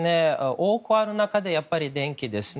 多くある中でやっぱり電気です。